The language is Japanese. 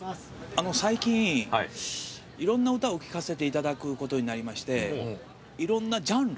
最近いろんな歌を聞かせていただくことになりましていろんなジャンル。